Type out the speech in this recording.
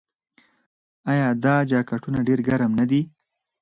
آیا دا جاکټونه ډیر ګرم نه دي؟